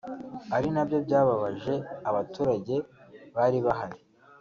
ari nabyo byababaje abaturage bari bahari”